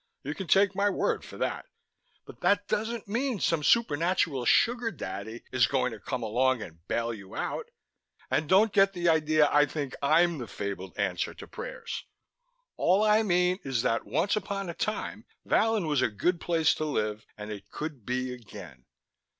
You can take my word for that! But that doesn't mean some supernatural sugar daddy is going to come along and bail you out. And don't get the idea I think I'm the fabled answer to prayers. All I mean is that once upon a time Vallon was a good place to live and it could be again.